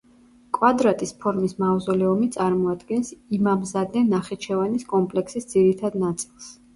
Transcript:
კვადრატის ფორმის მავზოლეუმი წარმოადგენს იმამზადე ნახიჩევანის კომპლექსის ძირითად ნაწილს.